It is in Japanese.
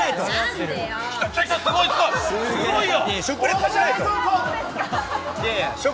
すごいよ。